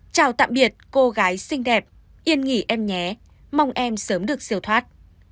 chào tạm biệt cô gái xinh đẹp yên nghỉ em nhé mong em sớm được siêu thoát